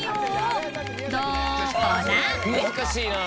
難しいな！